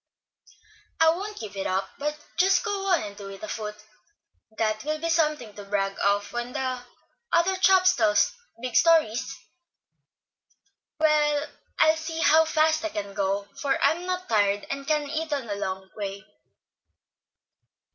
"I won't give it up, but just go on and do it afoot. That will be something to brag of when the other chaps tell big stories. I'll see how fast I can go, for I'm not tired, and can eat on the way.